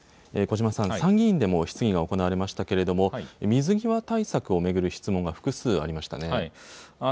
小嶋さん、参議院でも質疑が行われましたけれども、水際対策を巡る質問が複数ありましたね。